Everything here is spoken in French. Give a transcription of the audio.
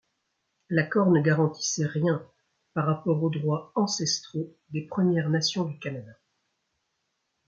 L'Accord ne garantissait rien par rapport aux droits ancestraux des premières nations du Canada.